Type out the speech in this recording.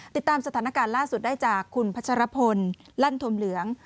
ติดตามสถานการณ์ล่าสุดได้จากคุณพัชรพลลั่นธมเหลือง